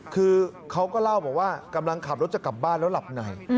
คือเขาก็เล่าบอกว่ากำลังขับรถจะกลับบ้านแล้วหลับใน